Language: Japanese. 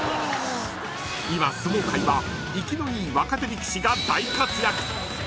［今相撲界は生きのいい若手力士が大活躍］